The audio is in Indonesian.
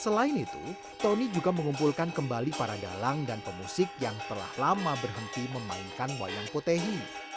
selain itu tony juga mengumpulkan kembali para dalang dan pemusik yang telah lama berhenti memainkan wayang potehi